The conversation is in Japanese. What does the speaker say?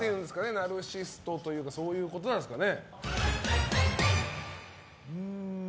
ナルシシストというかそういうことなんすかね。